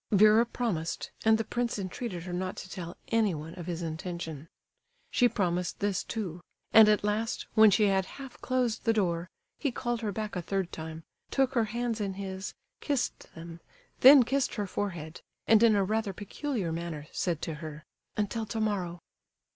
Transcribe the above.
Vera promised, and the prince entreated her not to tell anyone of his intention. She promised this, too; and at last, when she had half closed the door, he called her back a third time, took her hands in his, kissed them, then kissed her forehead, and in a rather peculiar manner said to her, "Until tomorrow!"